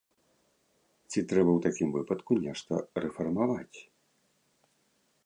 Ці трэба ў такім выпадку нешта рэфармаваць?